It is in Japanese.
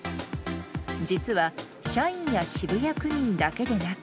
実は、社員や渋谷区民だけでなく。